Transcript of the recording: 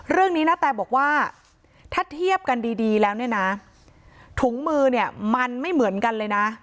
ณแตบอกว่าถ้าเทียบกันดีแล้วเนี่ยนะถุงมือเนี่ยมันไม่เหมือนกันเลยนะ